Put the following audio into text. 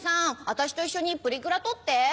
私と一緒にプリクラ撮って。